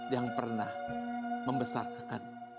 yang pernah membesarkan